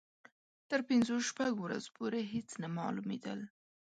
تر پنځو شپږو ورځو پورې هېڅ نه معلومېدل.